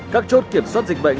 các chốt kiểm soát dịch bệnh